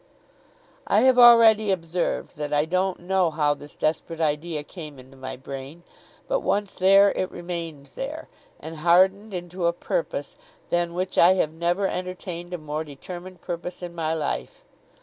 I have already observed that I don't know how this desperate idea came into my brain. But, once there, it remained there; and hardened into a purpose than which I have never entertained a more determined purpose in my life.